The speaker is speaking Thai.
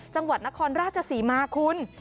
จังหวัดนครราชศรีมาคุณ